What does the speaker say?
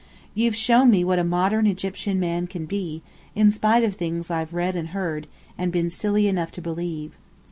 You've shown me what a modern Egyptian man can be, in spite of things I've read and heard, and been silly enough to believe.